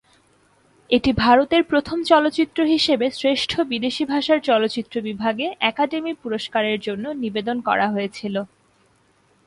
এটি ভারতের প্রথম চলচ্চিত্র হিসেবে শ্রেষ্ঠ বিদেশি ভাষার চলচ্চিত্র বিভাগে একাডেমি পুরস্কারের জন্য নিবেদন করা হয়েছিল।